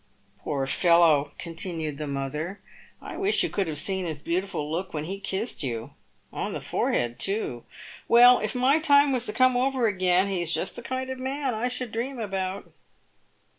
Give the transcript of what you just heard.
" Poor fellow !" continued the mother, " I wish you could have seen his beautiful look when he kissed you. On the forehead, too. x 306 PAVED WITH GOLD. "Well, if my time was to come over again, he is just the kind of man I should dream about."